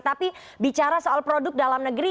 tapi bicara soal produk dalam negeri